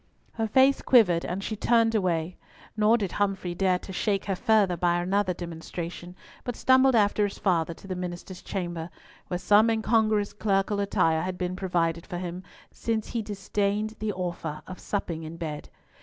Her face quivered, and she turned away; nor did Humfrey dare to shake her further by another demonstration, but stumbled after his father to the minister's chamber, where some incongruous clerical attire had been provided for him, since he disdained the offer of supping in bed.